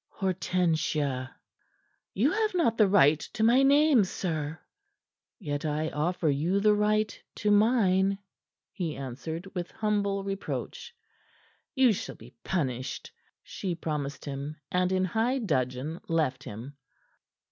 Hortensia!" "You have not the right to my name, sir." "Yet I offer you the right to mine," he answered, with humble reproach. "You shall be punished," she promised him, and in high dudgeon left him.